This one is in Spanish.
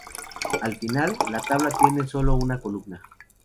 Al final, la tabla tiene sólo una columna.